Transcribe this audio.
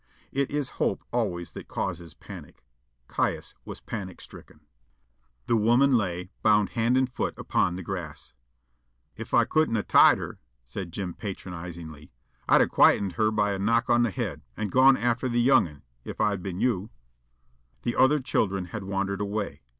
It is hope always that causes panic. Caius was panic stricken. The woman lay, bound hand and foot, upon the grass. "If I couldn't ha' tied her," said Jim patronizingly, "I'd a quietened her by a knock on the head, and gone after the young un, if I'd been yo'." The other children had wandered away.